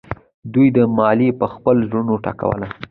دوی دا مالیه په خپل زړه ټاکله.